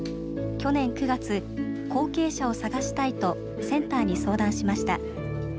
去年９月後継者を探したいとセンターに相談しました。